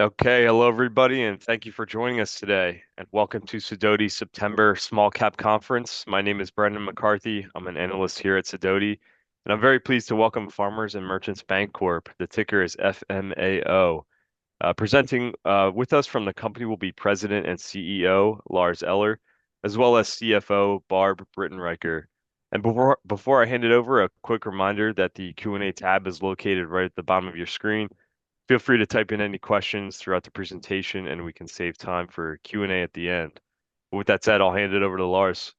Okay, hello everybody, and thank you for joining us today. Welcome to Sidoti September Small Cap Conference. My name is Brandon McCarthy. I'm an analyst here at Sidoti, and I'm very pleased to welcome Farmers & Merchants Bancorp, the ticker is FMAO. Presenting with us from the company will be President and CEO Lars Eller, as well as CFO Barb Britenriker. And before I hand it over, a quick reminder that the Q&A tab is located right at the bottom of your screen. Feel free to type in any questions throughout the presentation, and we can save time for Q&A at the end. With that said, I'll hand it over to Lars.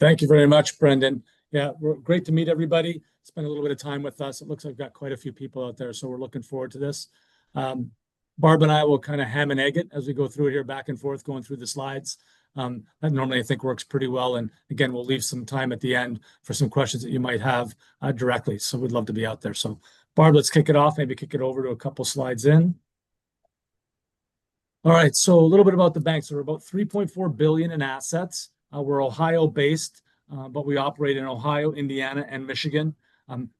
Thank you very much, Brandon. Yeah, great to meet everybody. Spend a little bit of time with us. It looks like we've got quite a few people out there, so we're looking forward to this. Barb and I will kind of hammer it as we go through it here, back and forth, going through the slides. That normally, I think, works pretty well. And again, we'll leave some time at the end for some questions that you might have directly. So we'd love to be out there. So Barb, let's kick it off, maybe kick it over to a couple of slides in. All right, so a little bit about the bank. So we're about $3.4 billion in assets. We're Ohio-based, but we operate in Ohio, Indiana, and Michigan.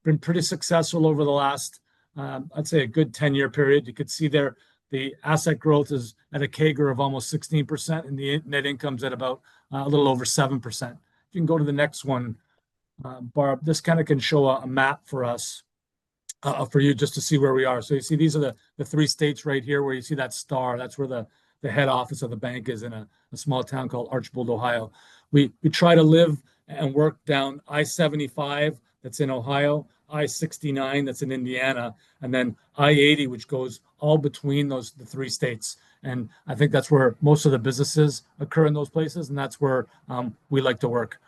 Been pretty successful over the last, I'd say, a good 10-year period. You could see there the asset growth is at a CAGR of almost 16%, and the net income's at about a little over 7%. If you can go to the next one, Barb, this kind of can show a map for us, for you, just to see where we are. So you see these are the three states right here where you see that star. That's where the head office of the bank is in a small town called Archbold, Ohio. We try to live and work down I-75. That's in Ohio. I-69, that's in Indiana, and then I-80, which goes all between those three states, and I think that's where most of the businesses occur in those places, and that's where we like to work.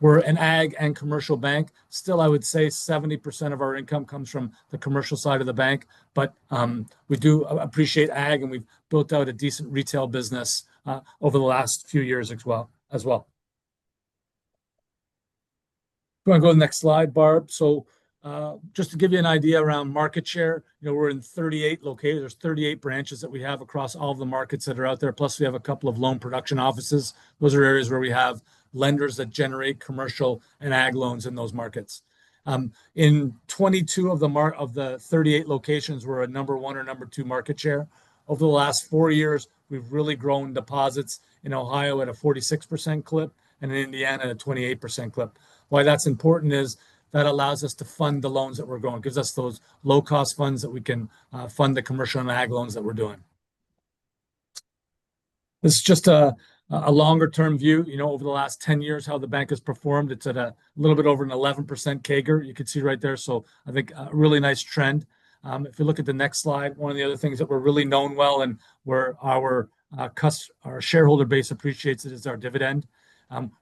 We're an ag and commercial bank. Still, I would say 70% of our income comes from the commercial side of the bank, but we do appreciate ag, and we've built out a decent retail business over the last few years as well. Going to go to the next slide, Barb. So just to give you an idea around market share, you know, we're in 38 locations. There's 38 branches that we have across all of the markets that are out there. Plus, we have a couple of loan production offices. Those are areas where we have lenders that generate commercial and ag loans in those markets. In 22 of the 38 locations, we're a number one or number two market share. Over the last four years, we've really grown deposits in Ohio at a 46% clip and in Indiana at a 28% clip. Why that's important is that allows us to fund the loans that we're going, gives us those low-cost funds that we can fund the commercial and ag loans that we're doing. This is just a longer-term view, you know, over the last 10 years, how the bank has performed. It's at a little bit over an 11% CAGR, you could see right there. So I think a really nice trend. If you look at the next slide, one of the other things that we're really known well and where our shareholder base appreciates it is our dividend.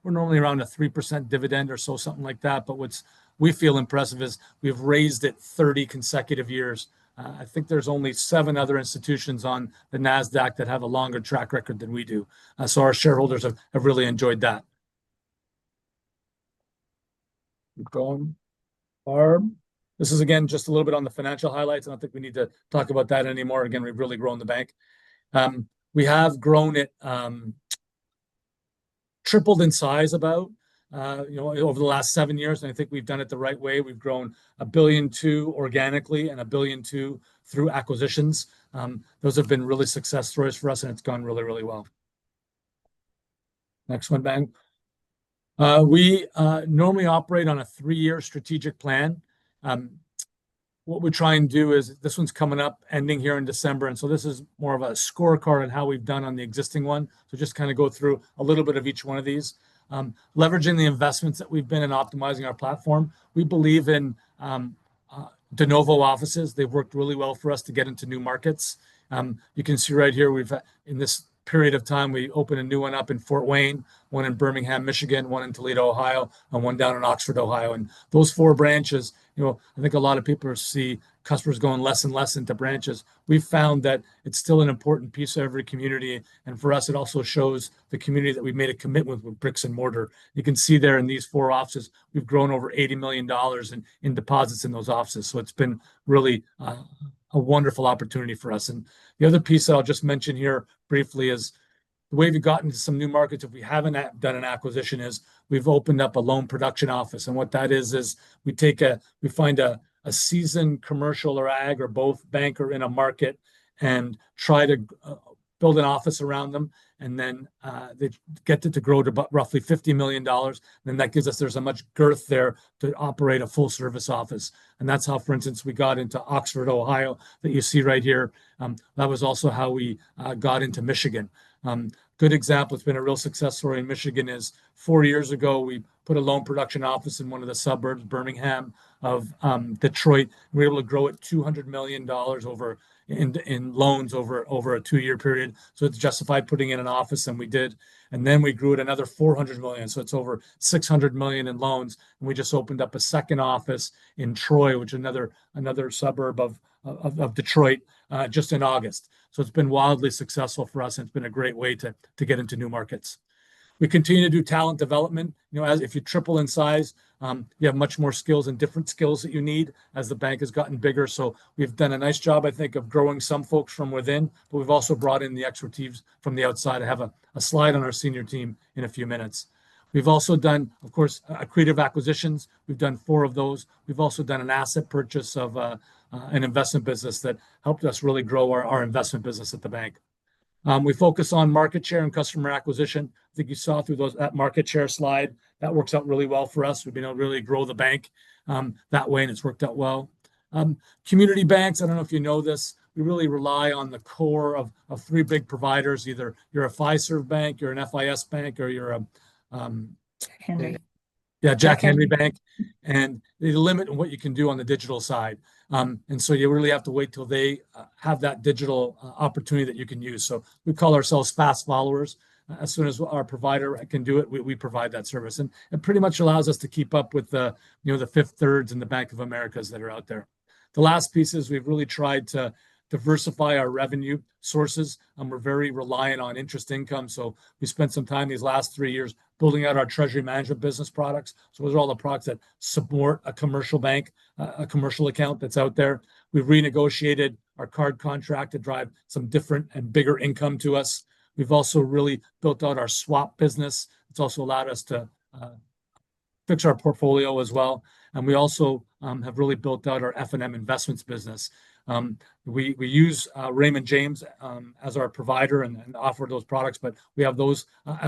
We're normally around a 3% dividend or so, something like that. But what we feel impressive is we've raised it 30 consecutive years. I think there's only seven other institutions on the NASDAQ that have a longer track record than we do. So our shareholders have really enjoyed that. Keep going, Barb. This is, again, just a little bit on the financial highlights. I don't think we need to talk about that anymore. Again, we've really grown the bank. We have grown it, tripled in size about, you know, over the last seven years. And I think we've done it the right way. We've grown a billion through organically and a billion through acquisitions. Those have been really success stories for us, and it's gone really, really well. Next one, Ben. We normally operate on a three-year strategic plan. What we try and do is, this one's coming up, ending here in December. And so this is more of a scorecard on how we've done on the existing one. So just kind of go through a little bit of each one of these. Leveraging the investments that we've been in optimizing our platform, we believe in de novo offices. They've worked really well for us to get into new markets. You can see right here, in this period of time, we opened a new one up in Fort Wayne, one in Birmingham, Michigan, one in Toledo, Ohio, and one down in Oxford, Ohio. And those four branches, you know, I think a lot of people see customers going less and less into branches. We've found that it's still an important piece of every community. And for us, it also shows the community that we've made a commitment with bricks and mortar. You can see there in these four offices, we've grown over $80 million in deposits in those offices. So it's been really a wonderful opportunity for us. The other piece that I'll just mention here briefly is the way we've gotten into some new markets, if we haven't done an acquisition, is we've opened up a loan production office. And what that is, is we take a, we find a seasoned commercial or ag or both banker in a market and try to build an office around them, and then they get it to grow to roughly $50 million. And then that gives us, there's a much girth there to operate a full-service office. And that's how, for instance, we got into Oxford, Ohio, that you see right here. That was also how we got into Michigan. Good example, it's been a real success story in Michigan, is four years ago, we put a loan production office in one of the suburbs, Birmingham of Detroit. We were able to grow it $200 million in loans over a two-year period, so it's justified putting in an office, and we did, and then we grew it another $400 million, so it's over $600 million in loans, and we just opened up a second office in Troy, which is another suburb of Detroit, just in August, so it's been wildly successful for us, and it's been a great way to get into new markets. We continue to do talent development. You know, if you triple in size, you have much more skills and different skills that you need as the bank has gotten bigger, so we've done a nice job, I think, of growing some folks from within, but we've also brought in the expertise from the outside. I have a slide on our senior team in a few minutes. We've also done, of course, creative acquisitions. We've done four of those. We've also done an asset purchase of an investment business that helped us really grow our investment business at the bank. We focus on market share and customer acquisition. I think you saw through those market share slide, that works out really well for us. We've been able to really grow the bank that way, and it's worked out well. Community banks, I don't know if you know this, we really rely on the core of three big providers. Either you're a Fiserv bank, you're an FIS bank, or you're a... Jack Henry. Yeah, Jack Henry & Associates. They limit what you can do on the digital side. So you really have to wait till they have that digital opportunity that you can use. We call ourselves fast followers. As soon as our provider can do it, we provide that service. It pretty much allows us to keep up with the, you know, the Fifth Thirds and the Bank of Americas that are out there. The last piece is we've really tried to diversify our revenue sources. We're very reliant on interest income. We spent some time these last three years building out our treasury management business products. Those are all the products that support a commercial bank, a commercial account that's out there. We've renegotiated our card contract to drive some different and bigger income to us. We've also really built out our swap business. It's also allowed us to fix our portfolio as well. And we also have really built out our F&M Investments business. We use Raymond James as our provider and offer those products, but we have those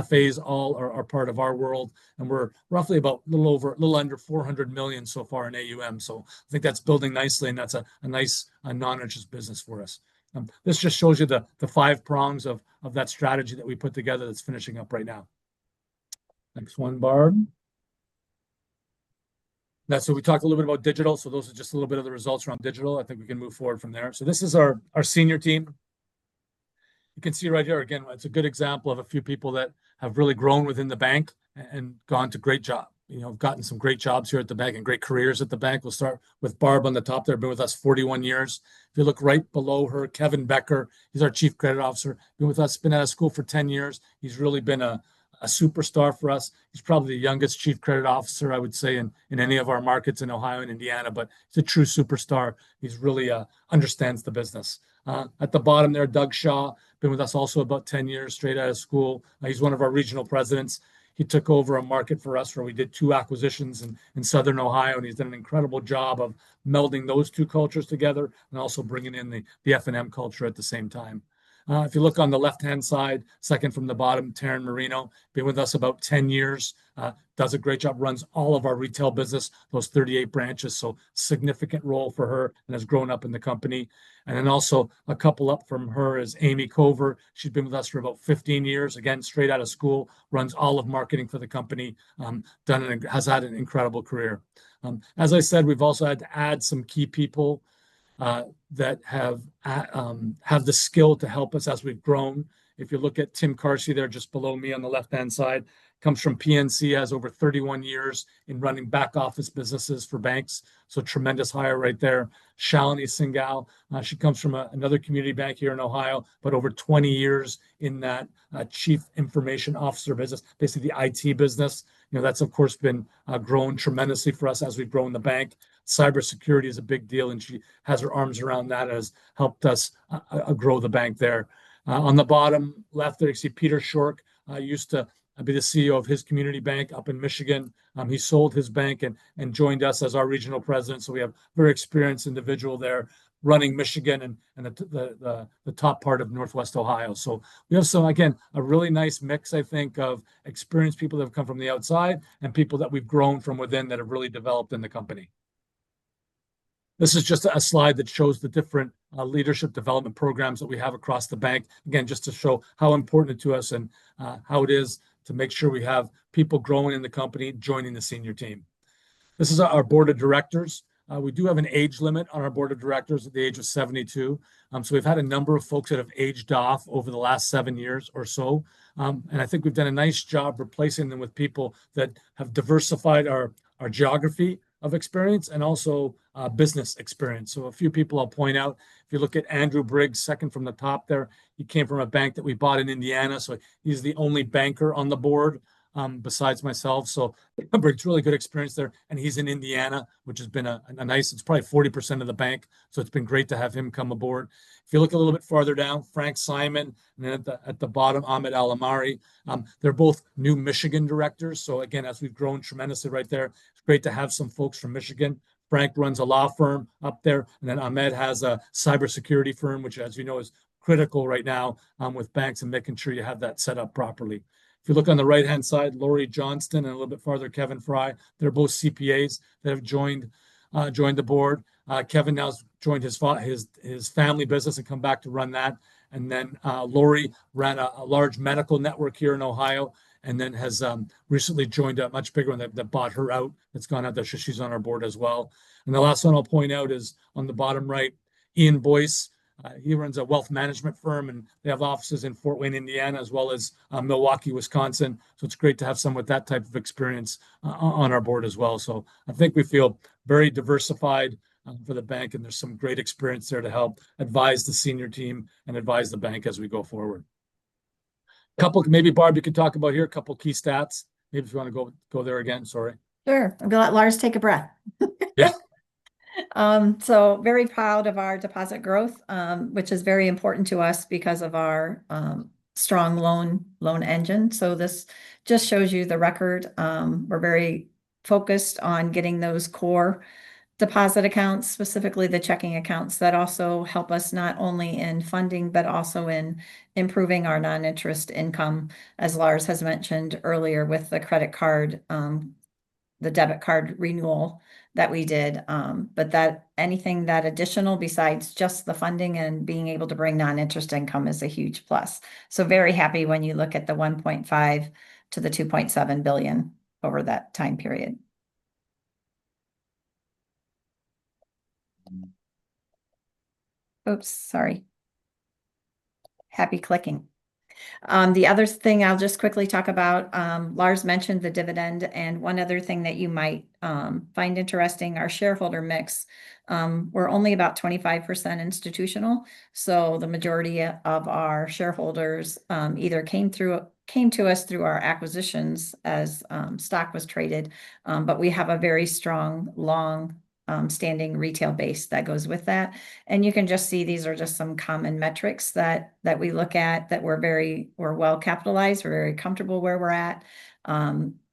FAs all are part of our world. And we're roughly about a little over, a little under $400 million so far in AUM. So I think that's building nicely, and that's a nice non-interest business for us. This just shows you the five prongs of that strategy that we put together that's finishing up right now. Next one, Barb. So we talked a little bit about digital. So those are just a little bit of the results around digital. I think we can move forward from there. So this is our senior team. You can see right here, again, it's a good example of a few people that have really grown within the bank and gone to great job. You know, we've gotten some great jobs here at the bank and great careers at the bank. We'll start with Barb on the top there. Been with us 41 years. If you look right below her, Kevin Becker, he's our Chief Credit Officer. Been with us, been out of school for 10 years. He's really been a superstar for us. He's probably the youngest chief credit officer, I would say, in any of our markets in Ohio and Indiana, but he's a true superstar. He really understands the business. At the bottom there, Doug Shaw, been with us also about 10 years, straight out of school. He's one of our regional presidents. He took over a market for us where we did two acquisitions in Southern Ohio, and he's done an incredible job of melding those two cultures together and also bringing in the F&M culture at the same time. If you look on the left-hand side, second from the bottom, Taryn Marino, been with us about 10 years, does a great job, runs all of our retail business, those 38 branches, so significant role for her and has grown up in the company, and then also a couple up from her is Amy Cover. She's been with us for about 15 years, again, straight out of school, runs all of marketing for the company, done and has had an incredible career. As I said, we've also had to add some key people that have the skill to help us as we've grown. If you look at Tim Carsey there, just below me on the left-hand side, comes from PNC, has over 31 years in running back office businesses for banks. So tremendous hire right there. Shalini Singhal, she comes from another community bank here in Ohio, but over 20 years in that Chief Information Officer business, basically the IT business. You know, that's, of course, been grown tremendously for us as we've grown the bank. Cybersecurity is a big deal, and she has her arms around that and has helped us grow the bank there. On the bottom left, there you see Peter Schork. I used to be the CEO of his community bank up in Michigan. He sold his bank and joined us as our Regional President. So we have a very experienced individual there running Michigan and the top part of Northwest Ohio. So we have some, again, a really nice mix, I think, of experienced people that have come from the outside and people that we've grown from within that have really developed in the company. This is just a slide that shows the different leadership development programs that we have across the bank, again, just to show how important it is to us and how it is to make sure we have people growing in the company and joining the senior team. This is our board of directors. We do have an age limit on our board of directors at the age of 72. So we've had a number of folks that have aged off over the last seven years or so. And I think we've done a nice job replacing them with people that have diversified our geography of experience and also business experience. So a few people I'll point out. If you look at Andrew Briggs, second from the top there, he came from a bank that we bought in Indiana. So he's the only banker on the board besides myself. So Briggs really good experience there. And he's in Indiana, which has been a nice. It's probably 40% of the bank. So it's been great to have him come aboard. If you look a little bit farther down, Frank Simon, and then at the bottom, Ahmed Alomari. They're both new Michigan directors. So again, as we've grown tremendously right there, it's great to have some folks from Michigan. Frank runs a law firm up there. And then Ahmed has a cybersecurity firm, which, as you know, is critical right now with banks and making sure you have that set up properly. If you look on the right-hand side, Lori Johnston, and a little bit farther, Kevin Fry. They're both CPAs that have joined the board. Kevin now has joined his family business and come back to run that. And then Lori ran a large medical network here in Ohio and then has recently joined a much bigger one that bought her out. It's gone out there. So she's on our board as well. And the last one I'll point out is on the bottom right, Ian Boyce. He runs a wealth management firm, and they have offices in Fort Wayne, Indiana, as well as Milwaukee, Wisconsin. So it's great to have someone with that type of experience on our board as well. So I think we feel very diversified for the bank, and there's some great experience there to help advise the senior team and advise the bank as we go forward. Couple, maybe Barb, you can talk about here, a couple key stats. Maybe if you want to go there again, sorry. Sure. I'll let Lars take a breath. Yes. So very proud of our deposit growth, which is very important to us because of our strong loan engine. This just shows you the record. We are very focused on getting those core deposit accounts, specifically the checking accounts that also help us not only in funding, but also in improving our non-interest income, as Lars has mentioned earlier with the credit card, the debit card renewal that we did. But that anything that additional besides just the funding and being able to bring non-interest income is a huge plus. We are very happy when you look at the $1.5-2.7 billion over that time period. Oops, sorry. Happy clicking. The other thing I will just quickly talk about, Lars mentioned the dividend. One other thing that you might find interesting, our shareholder mix. We are only about 25% institutional. The majority of our shareholders either came to us through our acquisitions as stock was traded, but we have a very strong long-standing retail base that goes with that. You can just see these are just some common metrics that we look at that we're very well capitalized. We're very comfortable where we're at.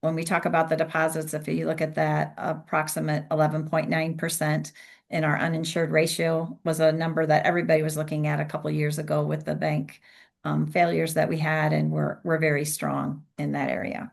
When we talk about the deposits, if you look at that, approximate 11.9% in our uninsured ratio was a number that everybody was looking at a couple of years ago with the bank failures that we had, and we're very strong in that area.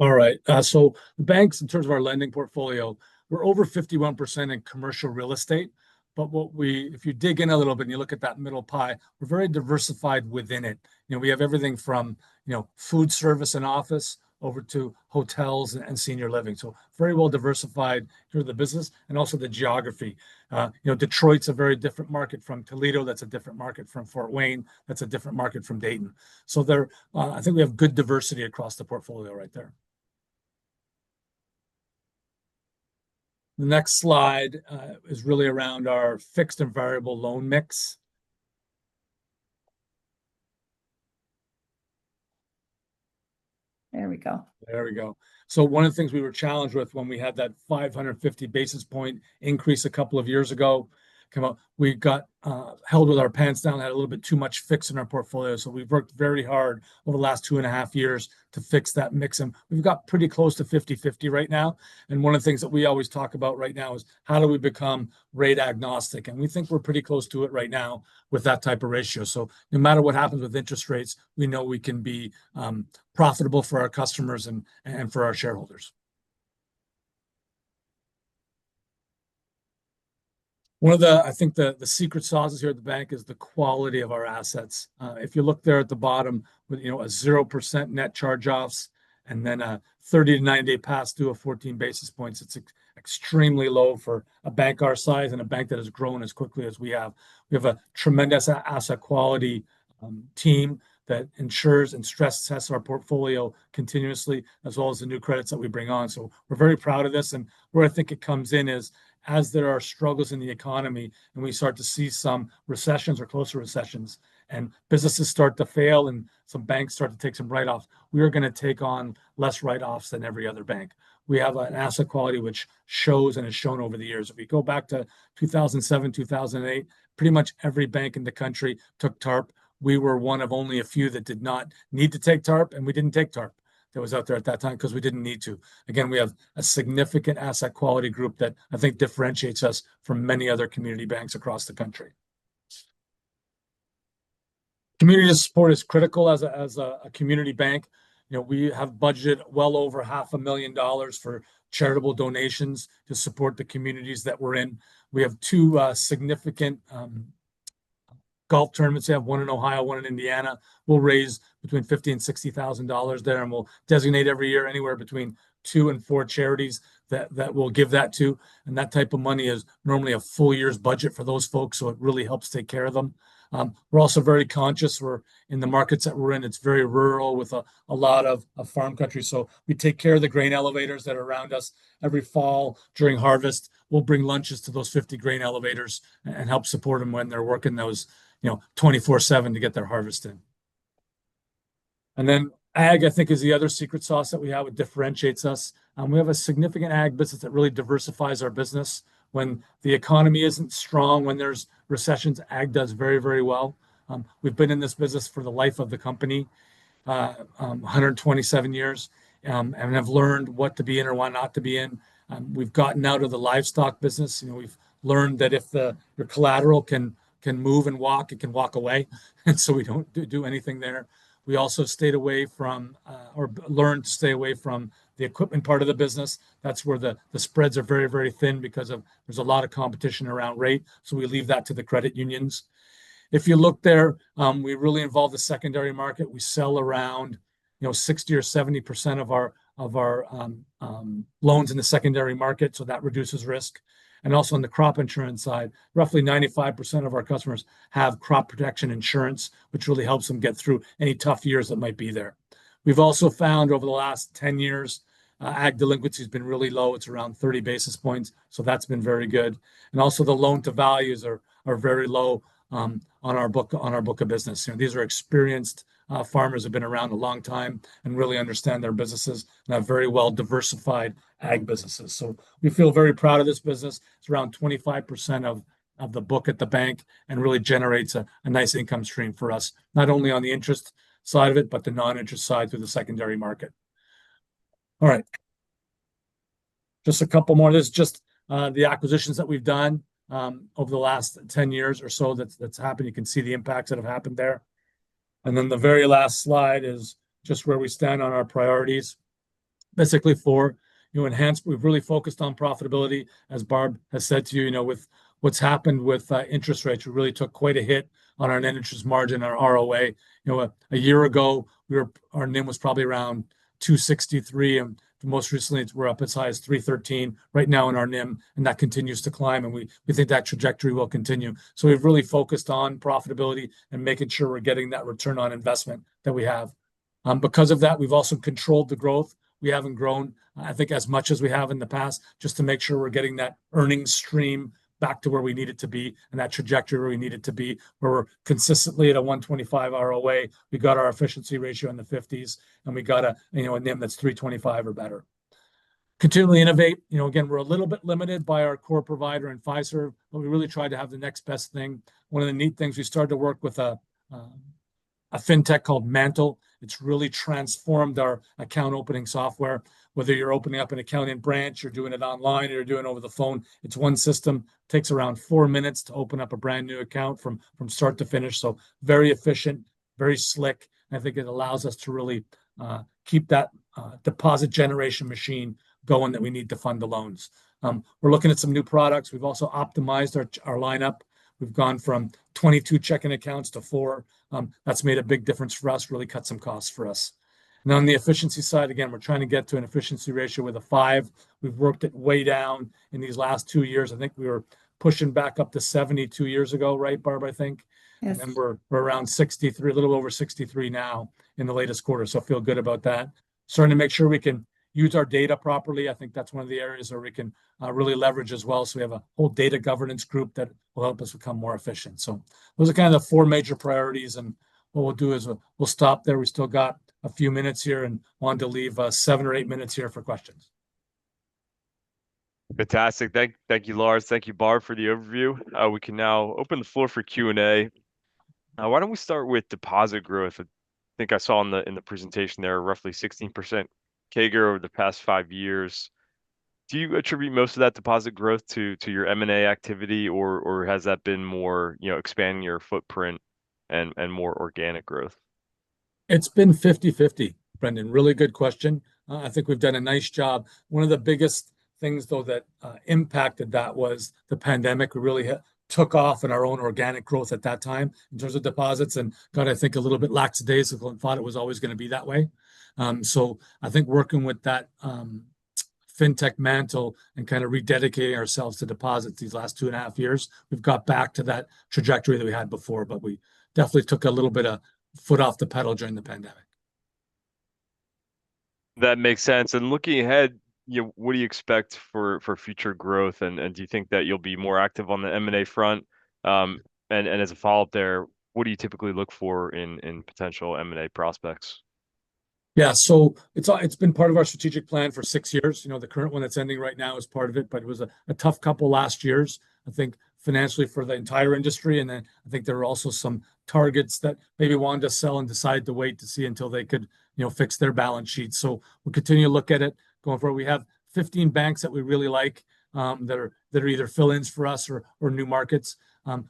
All right. So the banks, in terms of our lending portfolio, we're over 51% in commercial real estate. But what we, if you dig in a little bit and you look at that middle pie, we're very diversified within it. You know, we have everything from, you know, food service and office over to hotels and senior living. So very well diversified through the business and also the geography. You know, Detroit's a very different market from Toledo. That's a different market from Fort Wayne. That's a different market from Dayton. So there, I think we have good diversity across the portfolio right there. The next slide is really around our fixed and variable loan mix. There we go. There we go. So one of the things we were challenged with when we had that 550 basis points increase a couple of years ago come up, we got held with our pants down, had a little bit too much fix in our portfolio. So we've worked very hard over the last two and a half years to fix that mix. And we've got pretty close to 50/50 right now. And one of the things that we always talk about right now is how do we become rate agnostic? And we think we're pretty close to it right now with that type of ratio. So no matter what happens with interest rates, we know we can be profitable for our customers and for our shareholders. One of the, I think the secret sauces here at the bank is the quality of our assets. If you look there at the bottom, you know, a 0% net charge-offs and then a 30- to 90-day past due of 14 basis points, it's extremely low for a bank our size and a bank that has grown as quickly as we have. We have a tremendous asset quality team that ensures and stress tests our portfolio continuously, as well as the new credits that we bring on. So we're very proud of this. And where I think it comes in is as there are struggles in the economy and we start to see some recessions or closer recessions and businesses start to fail and some banks start to take some write-offs, we are going to take on less write-offs than every other bank. We have an asset quality which shows and has shown over the years. If we go back to 2007, 2008, pretty much every bank in the country took TARP. We were one of only a few that did not need to take TARP, and we didn't take TARP that was out there at that time because we didn't need to. Again, we have a significant asset quality group that I think differentiates us from many other community banks across the country. Community support is critical as a community bank. You know, we have budgeted well over $500,000 for charitable donations to support the communities that we're in. We have two significant golf tournaments. We have one in Ohio, one in Indiana. We'll raise between $50,000 and $60,000 there, and we'll designate every year anywhere between two and four charities that we'll give that to. And that type of money is normally a full year's budget for those folks. So it really helps take care of them. We're also very conscious in the markets that we're in. It's very rural with a lot of farm country. So we take care of the grain elevators that are around us. Every fall during harvest, we'll bring lunches to those 50 grain elevators and help support them when they're working those, you know, 24/7 to get their harvest in. And then ag, I think, is the other secret sauce that we have that differentiates us. We have a significant ag business that really diversifies our business. When the economy isn't strong, when there's recessions, ag does very, very well. We've been in this business for the life of the company, 127 years, and have learned what to be in or why not to be in. We've gotten out of the livestock business. You know, we've learned that if your collateral can move and walk, it can walk away. And so we don't do anything there. We also stayed away from or learned to stay away from the equipment part of the business. That's where the spreads are very, very thin because there's a lot of competition around rate. So we leave that to the credit unions. If you look there, we really involve the secondary market. We sell around, you know, 60 or 70% of our loans in the secondary market. So that reduces risk. And also on the crop insurance side, roughly 95% of our customers have crop protection insurance, which really helps them get through any tough years that might be there. We've also found over the last 10 years, ag delinquency has been really low. It's around 30 basis points. So that's been very good. And also the loan-to-values are very low on our book of business. You know, these are experienced farmers who have been around a long time and really understand their businesses and have very well-diversified ag businesses. So we feel very proud of this business. It's around 25% of the book at the bank and really generates a nice income stream for us, not only on the interest side of it, but the non-interest side through the secondary market. All right. Just a couple more. This is just the acquisitions that we've done over the last 10 years or so that's happened. You can see the impacts that have happened there. And then the very last slide is just where we stand on our priorities. Basically for, you know, enhanced, we've really focused on profitability. As Barb has said to you, you know, with what's happened with interest rates, we really took quite a hit on our net interest margin, our ROA. You know, a year ago, our NIM was probably around 263, and most recently, we're up as high as 313 right now in our NIM, and that continues to climb, and we think that trajectory will continue, so we've really focused on profitability and making sure we're getting that return on investment that we have. Because of that, we've also controlled the growth. We haven't grown, I think, as much as we have in the past, just to make sure we're getting that earnings stream back to where we need it to be and that trajectory where we need it to be, where we're consistently at a 125 ROA. We got our efficiency ratio in the 50s, and we got a, you know, a NIM that's 325 or better. Continually innovate. You know, again, we're a little bit limited by our core provider and Fiserv, but we really tried to have the next best thing. One of the neat things, we started to work with a fintech called MANTL. It's really transformed our account opening software. Whether you're opening up an account in branch, you're doing it online, or you're doing it over the phone, it's one system. Takes around four minutes to open up a brand new account from start to finish. So very efficient, very slick. I think it allows us to really keep that deposit generation machine going that we need to fund the loans. We're looking at some new products. We've also optimized our lineup. We've gone from 22 checking accounts to four. That's made a big difference for us, really cut some costs for us. And on the efficiency side, again, we're trying to get to an efficiency ratio with a five. We've worked it way down in these last two years. I think we were pushing back up to 72% years ago, right, Barb, I think? Yes. And then we're around 63, a little over 63 now in the latest quarter. So I feel good about that. Starting to make sure we can use our data properly. I think that's one of the areas where we can really leverage as well. So we have a whole data governance group that will help us become more efficient. So those are kind of the four major priorities. And what we'll do is we'll stop there. We still got a few minutes here and wanted to leave seven or eight minutes here for questions. Fantastic. Thank you, Lars. Thank you, Barb, for the overview. We can now open the floor for Q&A. Why don't we start with deposit growth? I think I saw in the presentation there roughly 16% CAGR over the past five years. Do you attribute most of that deposit growth to your M&A activity, or has that been more, you know, expanding your footprint and more organic growth? It's been 50/50, Brandon. Really good question. I think we've done a nice job. One of the biggest things, though, that impacted that was the pandemic. We really took off in our own organic growth at that time in terms of deposits and got, I think, a little bit lackadaisical and thought it was always going to be that way. So I think working with that fintech Mantle and kind of rededicating ourselves to deposits these last two and a half years, we've got back to that trajectory that we had before, but we definitely took a little bit of foot off the pedal during the pandemic. That makes sense. And looking ahead, you know, what do you expect for future growth? And do you think that you'll be more active on the M&A front? And as a follow-up there, what do you typically look for in potential M&A prospects? Yeah. So it's been part of our strategic plan for six years. You know, the current one that's ending right now is part of it, but it was a tough couple last years, I think, financially for the entire industry. And then I think there are also some targets that maybe wanted to sell and decide to wait to see until they could, you know, fix their balance sheets. So we'll continue to look at it going forward. We have 15 banks that we really like that are either fill-ins for us or new markets.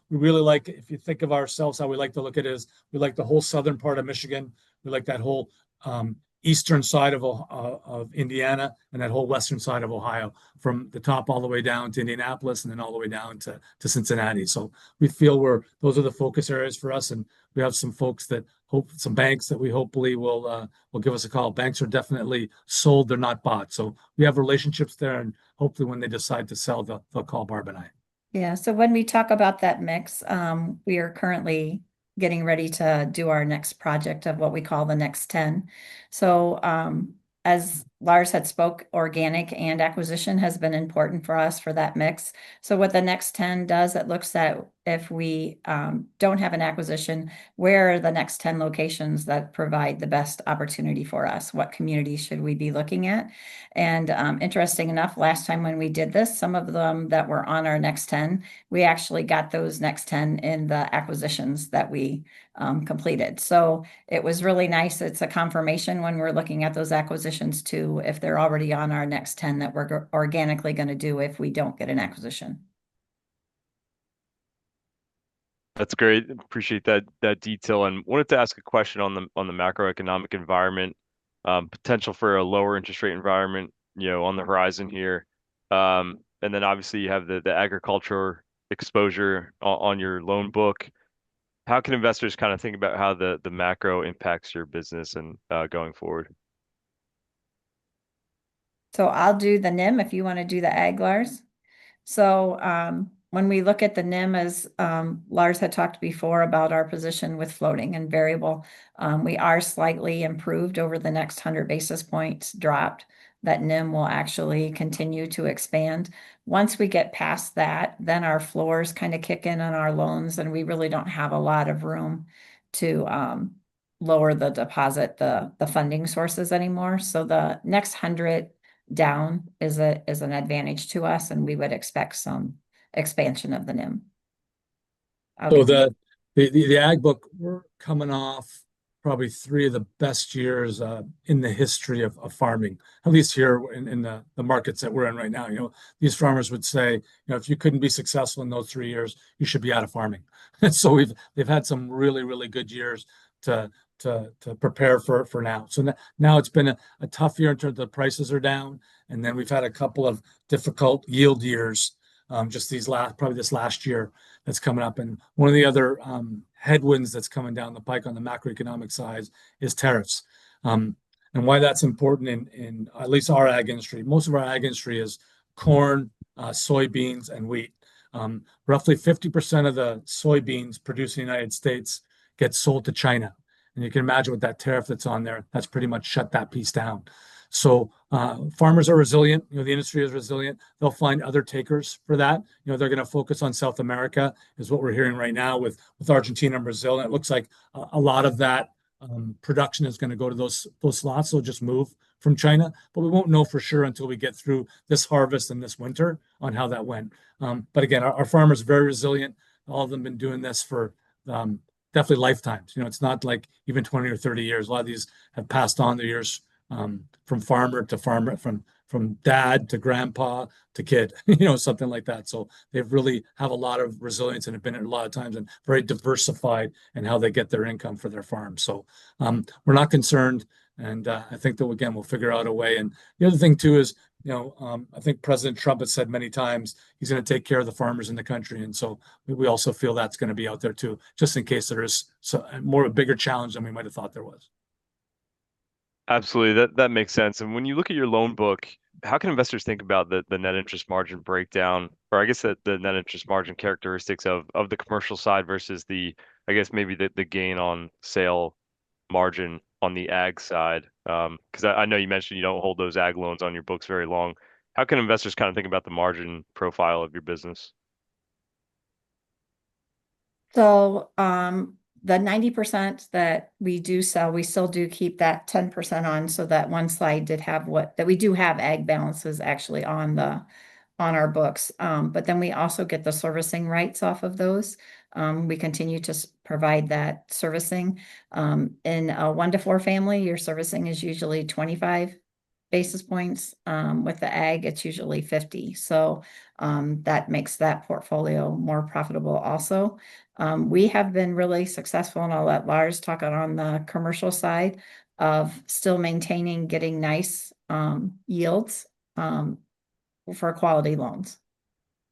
We really like, if you think of ourselves, how we like to look at it is we like the whole southern part of Michigan. We like that whole eastern side of Indiana and that whole western side of Ohio from the top all the way down to Indianapolis and then all the way down to Cincinnati. So we feel those are the focus areas for us. And we have some folks that we hope, some banks that we hopefully will give us a call. Banks are definitely sold. They're not bought. So we have relationships there, and hopefully when they decide to sell, they'll call Barb and I. Yeah. So when we talk about that mix, we are currently getting ready to do our next project of what we call the next 10. As Lars had spoke, organic and acquisition has been important for us for that mix. What the next 10 does, it looks at if we don't have an acquisition, where are the next 10 locations that provide the best opportunity for us. What community should we be looking at? And interesting enough, last time when we did this, some of them that were on our next 10, we actually got those next 10 in the acquisitions that we completed. So it was really nice. It's a confirmation when we're looking at those acquisitions too, if they're already on our next 10 that we're organically going to do if we don't get an acquisition. That's great. Appreciate that detail. And wanted to ask a question on the macroeconomic environment, potential for a lower interest rate environment, you know, on the horizon here. And then obviously you have the agriculture exposure on your loan book. How can investors kind of think about how the macro impacts your business and going forward? So I'll do the NIM if you want to do the ag, Lars. So when we look at the NIM, as Lars had talked before about our position with floating and variable, we are slightly improved over the next 100 basis points dropped. That NIM will actually continue to expand. Once we get past that, then our floors kind of kick in on our loans, and we really don't have a lot of room to lower the deposit, the funding sources anymore. So the next 100 down is an advantage to us, and we would expect some expansion of the NIM. So the ag book, we're coming off probably three of the best years in the history of farming, at least here in the markets that we're in right now. You know, these farmers would say, you know, if you couldn't be successful in those three years, you should be out of farming. So they've had some really, really good years to prepare for now. So now it's been a tough year in terms of the prices are down, and then we've had a couple of difficult yield years, just these last, probably this last year that's coming up. And one of the other headwinds that's coming down the pike on the macroeconomic side is tariffs. And why that's important in at least our ag industry, most of our ag industry is corn, soybeans, and wheat. Roughly 50% of the soybeans produced in the U.S. gets sold to China. You can imagine with that tariff that's on there, that's pretty much shut that piece down. So farmers are resilient. You know, the industry is resilient. They'll find other takers for that. You know, they're going to focus on South America is what we're hearing right now with Argentina and Brazil. And it looks like a lot of that production is going to go to those slots. They'll just move from China. But we won't know for sure until we get through this harvest and this winter on how that went. But again, our farmers are very resilient. All of them have been doing this for definitely lifetimes. You know, it's not like even 20 or 30 years. A lot of these have passed on the years from farmer to farmer, from dad to grandpa to kid, you know, something like that. So they really have a lot of resilience and have been there a lot of times and very diversified in how they get their income for their farm. So we're not concerned. And I think that, again, we'll figure out a way. And the other thing too is, you know, I think President Trump has said many times he's going to take care of the farmers in the country. And so we also feel that's going to be out there too, just in case there is more of a bigger challenge than we might have thought there was. Absolutely. That makes sense. And when you look at your loan book, how can investors think about the net interest margin breakdown, or I guess the net interest margin characteristics of the commercial side versus the, I guess, maybe the gain on sale margin on the ag side? Because I know you mentioned you don't hold those ag loans on your books very long. How can investors kind of think about the margin profile of your business? So the 90% that we do sell, we still do keep that 10% on. So that one slide did have what that we do have ag balances actually on our books. But then we also get the servicing rights off of those. We continue to provide that servicing. In a one-to-four family, your servicing is usually 25 basis points. With the ag, it's usually 50. So that makes that portfolio more profitable also. We have been really successful, and I'll let Lars talk on the commercial side of still maintaining, getting nice yields for quality loans.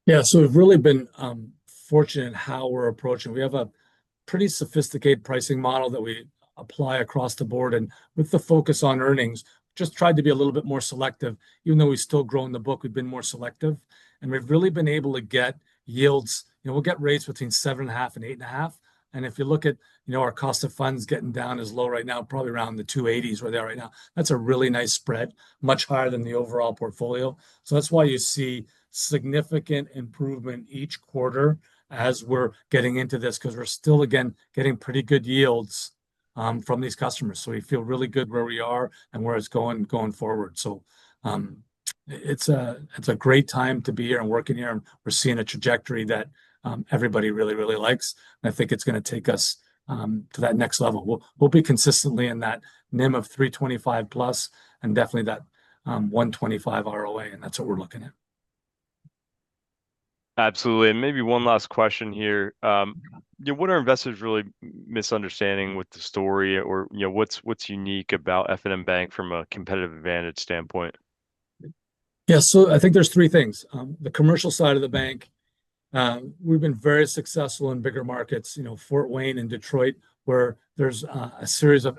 Yeah. So we've really been fortunate in how we're approaching. We have a pretty sophisticated pricing model that we apply across the board. And with the focus on earnings, just tried to be a little bit more selective. Even though we've still grown the book, we've been more selective. And we've really been able to get yields, you know, we'll get rates between 7.5 and 8.5. And if you look at, you know, our cost of funds getting down as low right now, probably around the 280s where they are right now, that's a really nice spread, much higher than the overall portfolio. So that's why you see significant improvement each quarter as we're getting into this because we're still, again, getting pretty good yields from these customers. So we feel really good where we are and where it's going forward. So it's a great time to be here and working here. And we're seeing a trajectory that everybody really, really likes. I think it's going to take us to that next level. We'll be consistently in that NIM of 325+ and definitely that 125 ROA. And that's what we're looking at. Absolutely. And maybe one last question here. You know, what are investors really misunderstanding with the story or, you know, what's unique about F&M Bank from a competitive advantage standpoint? Yeah. So I think there's three things. The commercial side of the bank, we've been very successful in bigger markets, you know, Fort Wayne and Detroit, where there's a series of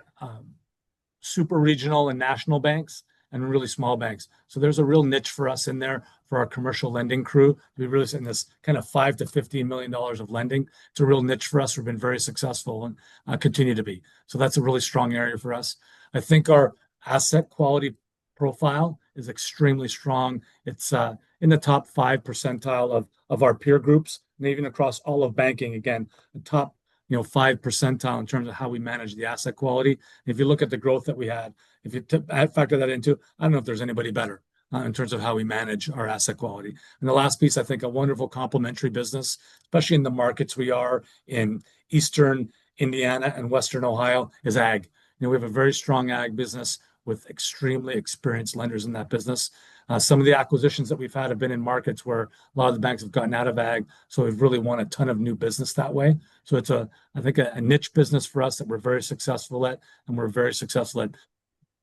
super regional and national banks and really small banks. So there's a real niche for us in there for our commercial lending crew. We've really seen this kind of $5-$15 million of lending. It's a real niche for us. We've been very successful and continue to be. So that's a really strong area for us. I think our asset quality profile is extremely strong. It's in the top five percentile of our peer groups, and even across all of banking, again, the top, you know, five percentile in terms of how we manage the asset quality. If you look at the growth that we had, if you factor that into, I don't know if there's anybody better in terms of how we manage our asset quality. The last piece, I think a wonderful complementary business, especially in the markets we are in Eastern Indiana and Western Ohio, is ag. You know, we have a very strong ag business with extremely experienced lenders in that business. Some of the acquisitions that we've had have been in markets where a lot of the banks have gotten out of ag. So we've really won a ton of new business that way. So it's a, I think, a niche business for us that we're very successful at, and we're very successful at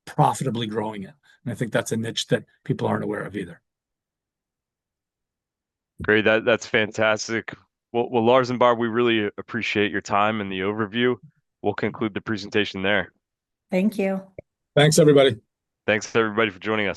profitably growing it. I think that's a niche that people aren't aware of either. Great. That's fantastic. Well, Lars and Barb, we really appreciate your time and the overview. We'll conclude the presentation there. Thank you. Thanks, everybody. Thanks, everybody, for joining us.